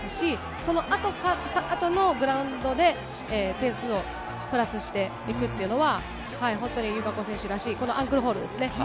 そのあとのグラウンドで点数をプラスしていくっていうのは本当に友香子選手らしい、このアンクルフォールですね。